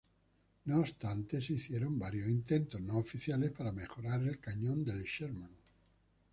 No obstante se hicieron varios intentos no oficiales para mejorar el cañón del Sherman.